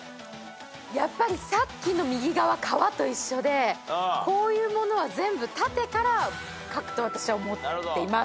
やっぱりさっきの右側「皮」と一緒でこういうものは全部縦から書くと私は思っています。